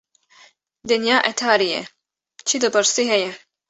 Dinya etariye çi dipirsî heye